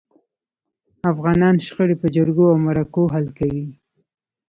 افغانان شخړي په جرګو او مرکو حل کوي.